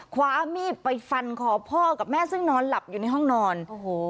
คว้ามีดไปฟันคอพ่อกับแม่ซึ่งนอนหลับอยู่ในห้องนอนโอ้โห